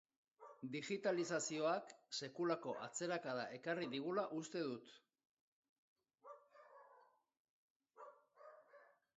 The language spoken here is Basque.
Digitalizazioak sekulako atzerakada ekarri digula uste dut.